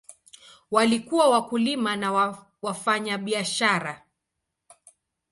Walikuwa wakulima na wafanyabiashara.